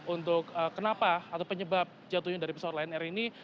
untuk kenapa atau penyebab jatuhnya dari pesawat lion air ini